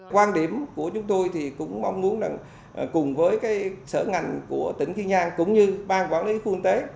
quan điểm của chúng tôi cũng mong muốn cùng với sở ngành của tỉnh kiên giang cũng như bang quản lý khuôn tế